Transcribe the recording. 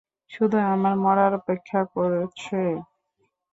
শুধু আমার মরার অপেক্ষা করছে।